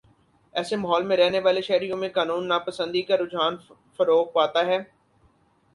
ایسے ماحول میں رہنے والے شہریوں میں قانون ناپسندی کا رجحان فروغ پاتا ہے